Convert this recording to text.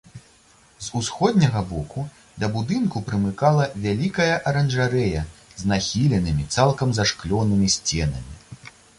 З усходняга боку да будынку прымыкала вялікая аранжарэя з нахіленымі, цалкам зашклёнымі сценамі.